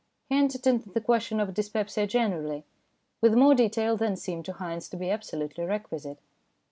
He entered into the question of dyspepsia generally, with more detail than seemed to Haynes to be absolutely requisite.